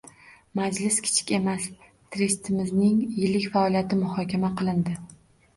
Majlis kichik emas, trestimizning yillik faoliyati muhokama qilinadi